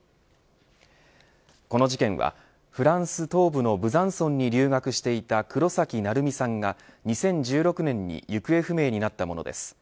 この事件はフランス東部のブザンソンに留学していた黒崎愛海さんが２０１６年に行方不明になったものです。